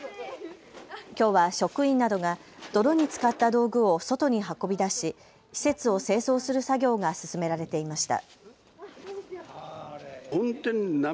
きょうは職員などが泥につかった道具を外に運び出し施設を清掃する作業が進められていました。